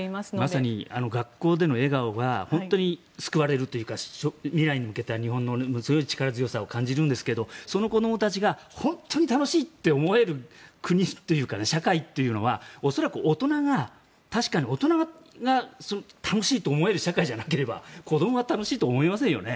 まさに学校での笑顔が本当に救われるというか未来に向けた日本の力強さを感じるんですがその子どもたちが本当に楽しいと思える国というか社会というのは恐らく大人が確かに大人が楽しいと思える社会じゃなければ子どもは楽しいと思いませんよね。